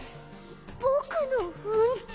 ぼくのうんち！？